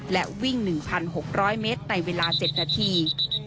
และวิ่ง๑๖๐๐เมตรในเวลา๗นาที